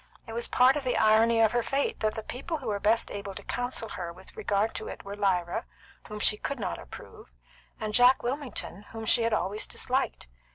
It was part of the irony of her fate that the people who were best able to counsel with her in regard to it were Lyra, whom she could not approve, and Jack Wilmington, whom she had always disliked.